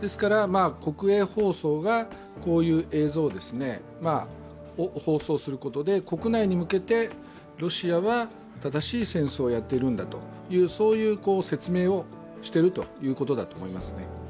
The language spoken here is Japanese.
ですから国営放送がこういう映像を放送することで国内に向けて、ロシアは正しい戦争をやっているんだというそういう説明をしているということだと思いますね。